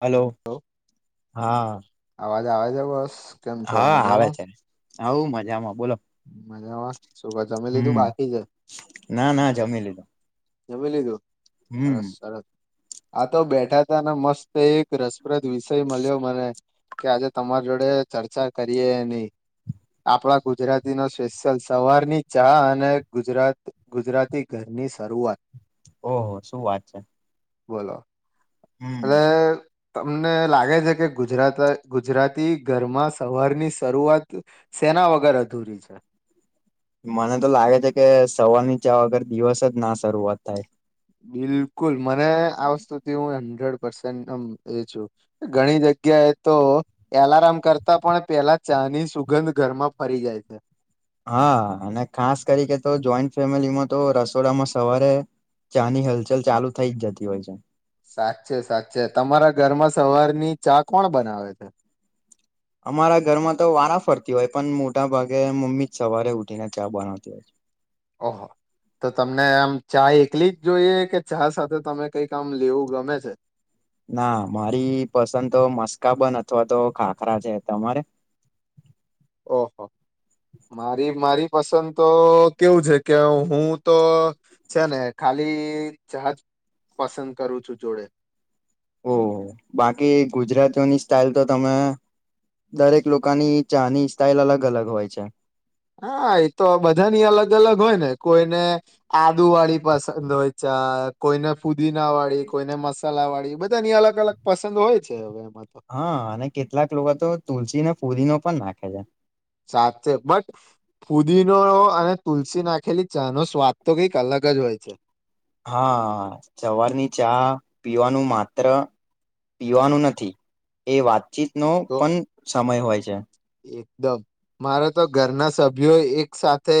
Hello હા અવાજ આવે છે બસ કેમ છો હા આવે મજામાં છે. હવુ મજામાં બોલો મજામાં શું કો, જમી લીધું હમ બાકી છે ના ના જમી લીધુ જમી લીધું સરસ સરસ આ તો બેઠા હતા ને મસ્ત એક રસપ્રદ વિષય મળ્યો મને કે આજે તમારી જોડે ચર્ચા કરીએ એની આપણા ગુજરાતી સ્પેશિયલ સવારની ચા અને ગુજરાત ગુજરાતી ઘરની શરૂઆત ઓહ શું વાત છે. બોલો એટલે હમ તમને લાગે છે કે ગુજરાત ગુજરાતી ઘરમાં સવારની શરૂઆત સેના વગર અધૂરી છે [unintelligible] મને તો લાગે છે કે સવાર ની ચા વગર દિવસ જ ના શરૂઆત થાય બિલકુલ મને આ વસ્તુ થી હું ઘણી જગ્યાએ તો એલાર્મ કરતા પણ પેલા ચાની સુગંધ ઘરમાં ફરી જાય છે હા અને ખાસ કરીકે તો જોઈન્ટ ફેમિલીમાં તો રસોડામાં સવારે ચાની હલચલ ચાલુ થઈ જ જતી હોય છે સાચે સાચે તમારા ઘરમાં સવાર ની ચા કોણ બનાવે છે અમારા ઘરમાં તો વારા ફરતી હોય પણ મોટા ભાગે મમ્મી જ સવારે ઉઠીને ચા બનાવતી હોય ઓહો તો તમને આમ ચા એકલી જ જોઈએ કે ચા સાથે તમે કઈક આમ લેવું ગમે છે ના મારી પસંદ તો મસ્કાબન અથવા તો ખાખરા છે તમારે ઓહો મારી મારી પસંદ તો કેવું છે કે હું તો છે ને ખાલી ચાહજ પસંદ કરું છું જોડે ઓહ બાકી ગુજરાતીઓની સ્ટાઈલ તો તમે દરેક લોકોની ચાની સ્ટાઈલ અલગ અલગ હોય છે હા એતો બધાની અલગ અલગ હોય ને કોઈને આદુ વાળી પસંદ હોય ચા કોઈને ફુદીના વાળી કોઈને મસાલા વાળી બધાની અલગ અલગ પસંદ હોય છે હવેમ હા અને કેટલાક લોકો તો તુલસીને ફુદિનો પણ નાખે [unintelligible] સાચે બટ ફુદીનો અને તુલસી નાખેલી ચાનો સ્વાદ તો કઈક અલગ જ હોય છે હા સવારની ચા પીવાનું માત્ર પીવાનું નથી એ વાત ચીતનો પણ સમય હોય છે દમ મારે તો ઘરના સભ્યો એક સાથે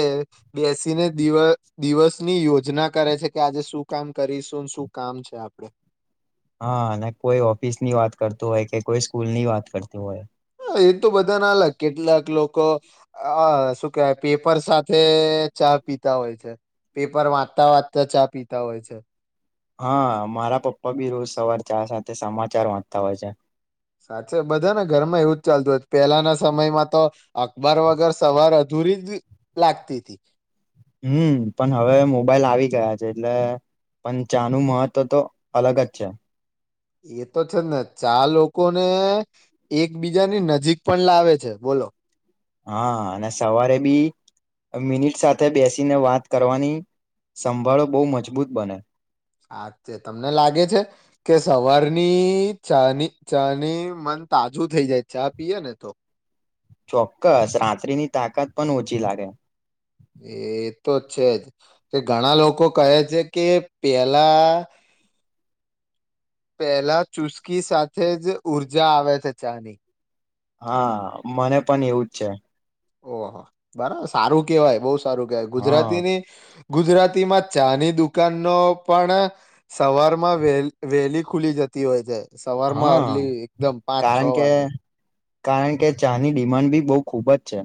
બેસીને દિવસ દિવસની યોજના કરે છે કે આજે શું કામ કરીશું શું કામ છે આપડે હા અને કોઈ ઓફિસ ની વાત કરતું હોય કે કોઈ સ્કૂલ ની વાત કરતું હોય હ એ તો બધા ના અલગ કેટલાક લોકો આ શું કેવાય પેપર સાથે ચા પીતા હોય છે પેપર વાંચતા વાંચતા ચા પીતા હોય છે હા મારા પપ્પા બી રોજ સવાર ચા સાથે સમાચાર વાંચતા હોય છે સાચે બધાને ઘરમાં એવુંજ ચાલતું હત પેલાના સમયમાં તો અખબાર વગર સવાર અધૂરી જ લાગતી હતી હમ પણ હવે મોબાઈલ આવી ગયા છે એટલે પણ ચાનું મહત્વ તો અલગ જ છે એ તો છે જ ને ચા લોકોને એકબીજાની નજીક પણ લાવે છે બોલો હા અને સવારે બી મિનિટ સાથે બેસીને વાત કરવાની સંભાળો બહુ મજબૂત બને હાચે તમને લાગે છે કે સવારની ચાની ચા ની મન તાજું થઈ જાય ચા પીએ ને તો ચોક્કસ રાત્રિની તાકાત પણ ઓછી લાગે એ તો છે જ કે ઘણા લોકો કહે છે કે પેલા પહેલા ચુસ્કી સાથે જ ઊર્જા આવે છે ચાની હા મને પણ એવુંજ છે ઓહ બરાબર સારું કેવાય બહુ સારું ક હા ગુજરાતીની ગુજરાતી માં ચાની દુકાનો પણ સવારમાં વે વહેલી ખુલી જતી હોય છે સવાર માં હા અરલી એકદમ પાંચ છ કારણ કે વાગે કારણ કે ચાની ડિમાન્ડ બી બહુ ખુબ જ છે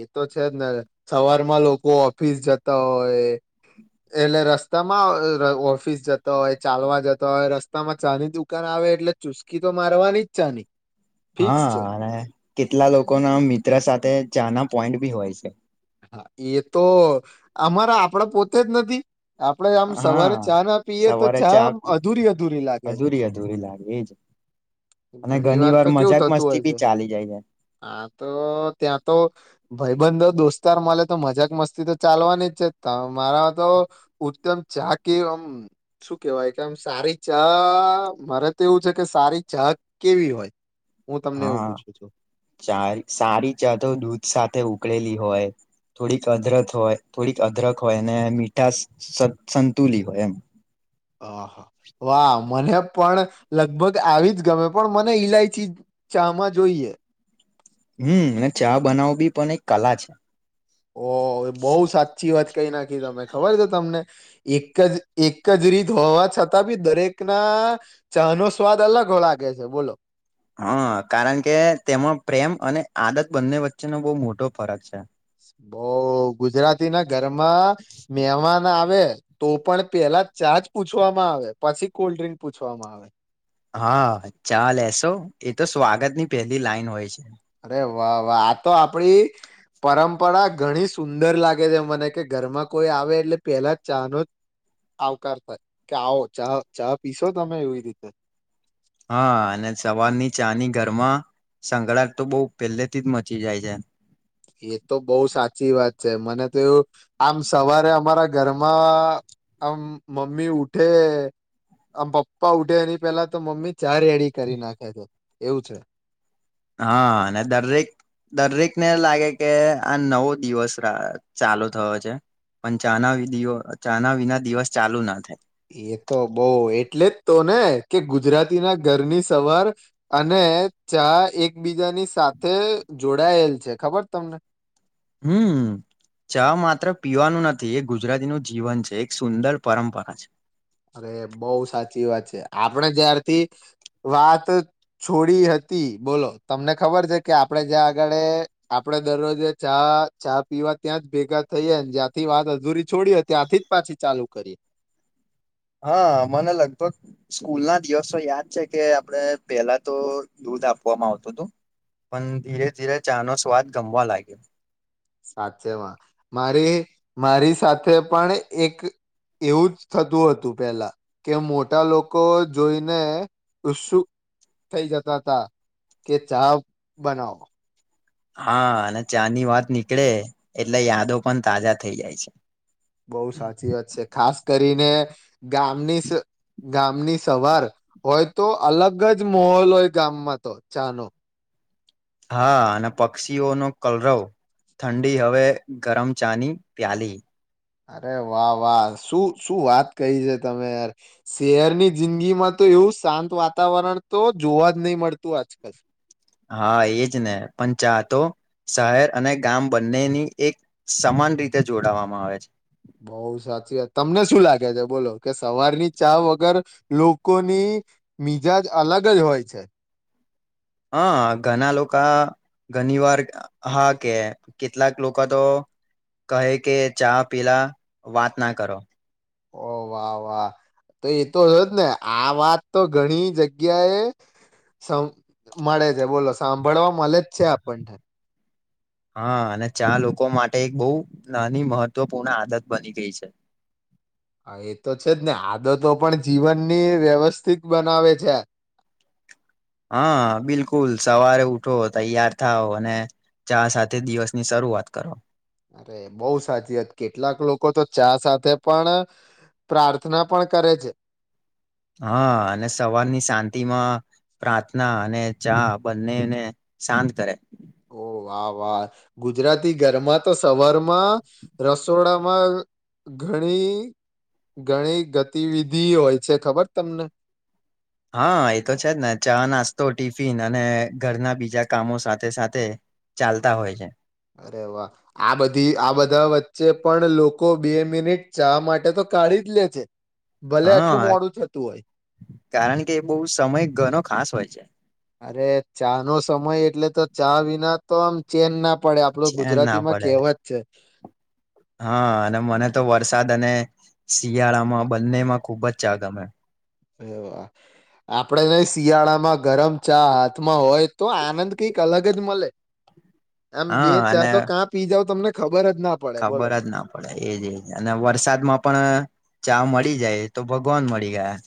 એ તો છે જ ને સવારમાં લોકો ઓફિસ જતા હોય એટલે રસ્તામાં ઓફિસ જતા હોય ચાલવા જતા હોય રસ્તા માં ચાની દુકાન આવે એટલે ચુસ્કી તો મારવાની જ ચાની ફિક્સ હા, છે અને કેટલા લોકોનાં મિત્ર સાથે ચાના પોઈન્ટ બી હોય છે. એતો અમારા આપડે પોતે જ નથી. આપડે આમ સવારે હા ચા ના પીએ તો સવારે ચા અધૂરી અધૂરી લાગે અધૂરી અધૂરી લાગે એજ અને ઘણી વાર તો કેવું મજાક થતું મસ્તી હોય બી છે ચાલી જાય છે આતો ત્યાં તો ભ‌ઈ બંધો દોસ્ત ઉતાર મલે તો મજાક મસ્તી તો ચાલવાની છે મારા તો ઉત્તમ ચા કે આમ શું કેવાય કે આમ સારી ચા મારે તો એવું છેકે સારી ચા કેવી હોય. હું તમને એવું હા, પૂછું છું ચાય સારી ચા તો દૂધ સાથે ઉ ઉકળેલી હોય થોડીક અદરક હોય થોડીક અદરક હોય અને મીઠાશ સન સંતુલી હોય એમ. હાહા, વાહ મને પણ લગભગ આવીજ ગમે પણ મને ઈલાયચી ચામાં જોઈએ. હમ, અને ચા બનાવું બી પણ એક કલા છે. ઓ બહુ સાચી વાત કઈ નાખી તમે ખબર છે તમને એકજ એકજ રીત હોવા છતાં બી દરેક નાં ચાનો સ્વાદ અલગ લાગે છે બોલો. હા, કારણ કે તેમાં પ્રેમ અને આદત બંને વચ્ચેનો બો મોટો ફરક છે. બોઉ ગુજરાતીનાં ઘરમાં મેમાન આવે. તો પણ પેલા ચા જ પૂછવામાં આવે પછી કોલ્ડ્રિંક પૂછવામાં આવે. હા, ચા લેસો એતો સ્વાગતની પેલી લાઈન હોય છે. અરે વાહ વાહ, આતો આપડી પરમ્પરા ઘણી સુંદર લાગે છે મને કે ઘરમાં કોઈ આવે એટલે પેલા ચાનો આવકાર થાય કે આવો ચા ચા પીશો તમે એવી રીતે. હા, અને સવારની ચાની ઘરમાં સંગળાટતો બો પેલેથી જ મચી જાય છે. એતો બહુ સાચી વાત છે મને તો એવું આમ સવારે અમારા ઘરમાં આમ મમ્મી ઉઠે આમ પપ્પા ઉઠે એની પેલા તો મમ્મી ચા રેડી કરી નાખે છે. એવું છે. હા, અને દરેક દરેકને લાગે કે આ નવો દિવસ અ ચાલુ થયો છે પણ ચાના દ ચાના વિના દિવસ ચાલુનાં થાય. એતો બો એટલે જ તોને કે ગુજરાતીનાં ઘરની સવાર અને ચા એકબીજાની સાથે જોડાયેલ છે ખબર તમને. હમ, ચા માત્ર પીવાનું નથી એ ગુજરાતીનું જીવન છે એક સુંદર પરમ્પરા છે. અરે બોઉ સાચી વાત છે, આપણે જ્યારથી વાત છોડી હતી બોલો તમને ખબર છે આપણે જ્યાં આંગળે આપણે દરોજ ચા ચા પીવા ત્યાંજ ભેગા થયા જ્યાં થી વાત અધુરી છોડી ત્યાં થી પાછી ચાલુ કરી હા, મને લગભગ સ્કૂલનાં દિવસો યાદ છેકે આપણે પેલા તો દૂધ આપવામાં આવતું હતું પણ ધીરે ધીરે ચાનો સ્વાદ ગમવા લાગ્યો. સાચેમાં મારી મારી સાથે પણ એક એવું જ થતું હતું પેલા કે મોટા લોકો જોઈને ઉત્સુક થઈ જતા હતા કે ચા બનાવો. હા, અને ચા ની વાત નીકળે એટલે યાદો પણ તાજા થઈ જાય છે. બોઉ સાચી વાત છે ખાસ કરીને ગામની ગામની સવાર હોય તો અલગ જ મોહોલ હોય ગામમાં તો ચાનો. હા, અને પક્ષીઓનો કલરવ, ઠંડી હવે ગરમ ચા ની પ્યાલી. અરે વાહ વાહ, શું શું વાત કહી છે તમે યાર શહેરની જિંદગીમાં તો એવું શાંત વાતાવરણતો જોવા જ નયી મળતું આજકાલ. હા, એજને પણ ચા તો શહેર અને ગામ બંનેની એક સમાન રીતે જોડાવામાં આવે છે. બોઉ સાચી વાત, તમને શું લાગે છે બોલો કે સવારની ચા વગર લોકોની મિજાજ અલગ જ હોય છે. હા, ઘણાં લોકા ઘણી વાર હા કે કેટલાક લોકાતો કહે કે ચા પીલા વાતનાં કરો. ઓ વાહ વાહ, તો એતો હોયજ ને આ વાત તો ઘણી જગ્યા એ મળે છે બોલો સાંભળવા મલે જ છે આપણને. હા અને ચા લોકો માટે એક બહુ નાની મહત્વપૂર્ણ આદત બની ગઈ છે હા એ તો છે જ ને આદતો પણ જીવનની વ્યવસ્થિત બનાવે છે હા બિલકુલ સવારે ઉઠો તૈયાર થાવ અને ચા સાથે દિવસની શરૂઆત કરો અરે બઉ સાચી વાત કેટલાક લોકો તો ચા સાથે પણ પ્રાર્થના પણ કરે છે હા અને સવારની શાંતિમાં પ્રાર્થના અને ચા, બંનેને શાંત કરે. ઓહ વાહ વાહ ગુજરાતી ઘરમાં, તો સવારમાં રસોડામાં ઘણી ઘણી ગતિવિધિ હોય છે ખબર તમને. હા એતો છે જ ને ચા નાસ્તો ટિફિન અને ઘરના બીજા કામો સાથે સાથે ચાલતા હોય છે. અરે વાહ આ બધી આ બધા વચ્ચે પણ લોકો બે મિનિટ ચા માટે તો કાઢી જ લે છે. ભલે આટલું હા મોડું થતું હોય કારણ કે બહ સમય ઘનો ખાસ હોય છે. અરે ચા નો સમય એટલે તો ચા વિના તો આમ ચેન ના પડે આપડો ચેન ના ગુજરાતીમાં પડે કેહેવા જ છે. હ [inaudible] હા અને મને તો વરસાદ અને, શિયાળામાં બંનેમાં ખુબ જ ચા ગમે. એ વા આપણેે નને શિયાળામાં ગરમ ચા હાથમાં હોય તો આનંદ કઈક અલગ જ મળે. આમ બે હા ચાર અને તો કાં પી જાવ તમને ખબર જ ના પડે બોલો. ખબર જ ના પડે એજ એજ અને વરસાદમાં પણ ચા મળી જાય. તો ભગવાન મળી ગયા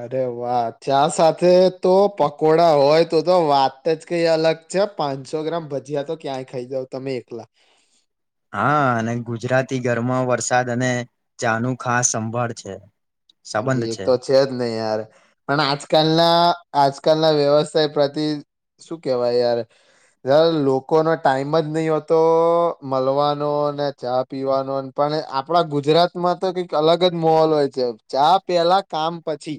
અરે વાહ ચા સાથે તો પકોડા હોય તો તો વાત જ કઈ અલગ છે પાંચસો ગ્રામ ભજીયા તો ક્યાંય ખાઈ જાવ તમે એકલા હા અને ગુજરાતી ગરમા વરસાદ અને ચાનું ખાસ સંભાળ છે અરે એ તો છે જ ને યાર પણ આજકાલના, આજકાલના વ્યવસાય પ્રતિ શું કેવાય યાર લોકોનો ટાઈમ જ નહી હોતો મલવાનો ને ચા પીવાનો પણ આપડા ગુજરાતમાં તો કઈક અલગ જ માહોલ હોય છે ચા પેલા કામ પછી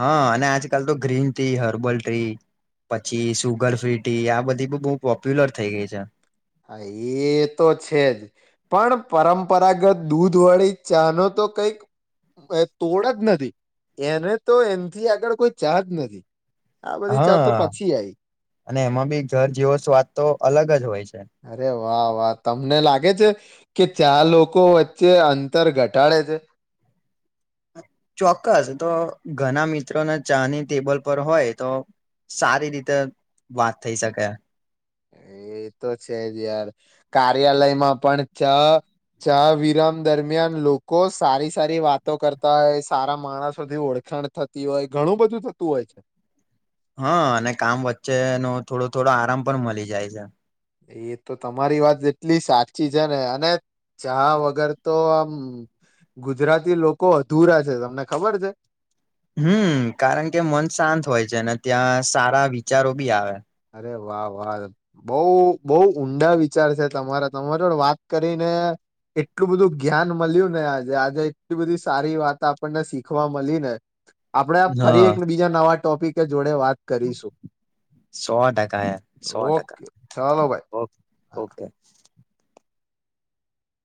હા, અને આજકાલ તો ગ્રીન ટી, હર્બલ ટ્રી, પછી સુગર ફ્રી ટી, આ બધી બ બહુ પોપ્યુલર થઈ ગઈ છે હા, એ તો છેજ પણ પરંપરાગત દૂધવાળી ચાનો તો કઈક તોડ જ નથી એને તો એનથી આગળ કોઈ ચા જ નથી આ બધી ચા તો હા, પછી આઈ અને એમાં બી ઘર જેવો સ્વાદ તો અલગ જ હોય છે અર, વાહ વાહ તમને લાગે છે કે ચાર લોકો વચ્ચે અંતર ઘટાડે છે ચોક્કસ તો ઘણા મિત્રોને ચાની ટેબલ પર હોય તો સારી રીતે વાત થઈ શકે એ તો છે જ યાર કાર્યાલયમાં પણ ચા, ચા વિરામ દરમિયાન લોકો સારી સારી વાતો કરતા હોય સારા માણસોધથી ઓળખાણ થતી હોય ઘણું બધું થતું હોય છે હા, અને કામ વચ્ચેનો થોડો, થોડો આરામ પણ મલી જાય છે એ તો તમારી વાત એટલી સાચી છે ને અને ચા વગર તો આમ ગુજરાતી લોકો અધુરા છે તમને ખબર છે હમ, કારણ કે મન શાંત હોય છે ને ત્યાં સારા વિચારો બી આવે અરે, વાહ, વાહ, બહુ, બહુ ઊંડા વિચાર છે તમારા, તમારે વાત કરીને એટલું બધું જ્ઞાન મલ્યૂ ઘણો ને આજે આજે એટલી બધી સારી વાત આપણને શીખવા મલી ને આપડે ફરી હા એક બીજા નવા ટોપિક જ જોડે વાત કરીશું સો ટકા યાર સો ટકા ઓકે ચાલો ભાઈ ઓ ઓકે.